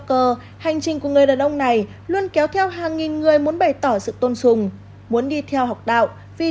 không phải đấy là con nói rồi con nói như thế đấy